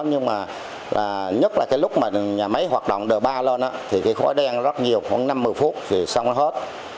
nhưng mà nhất là cái lúc mà nhà máy hoạt động đờ ba lên thì cái khói đen rất nhiều khoảng năm mươi phút thì xong hết